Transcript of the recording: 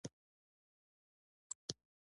په راتلونکي درسي ساعت کې دې په وړاندې وویل شي.